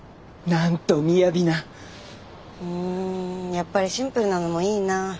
やっぱりシンプルなのもいいな。